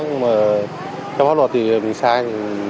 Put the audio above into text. nhưng mà theo pháp luật thì mình sai